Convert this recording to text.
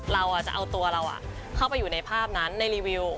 เราจะเอาตัวเราเข้าไปอยู่ในภาพนั้นในรีวิว